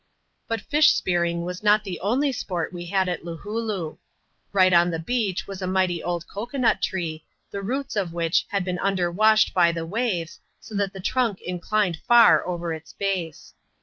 But fish spearing was not the only sport we had at Loohooloo. Right on the beach was a mighty old cocoa nut tree, the roots of which had been underwashed by the waves, so that the trunk inclined far over its base.